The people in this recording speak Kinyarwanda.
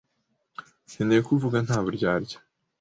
nkeneye ko uvuga nta buryarya.